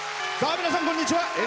皆さん、こんにちは。